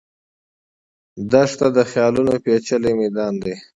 دښته د خیالونو پېچلی میدان دی.